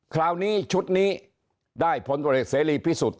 คราวนี้ชุดนี้ได้พลตัวเหตุเสรีพิสูจน์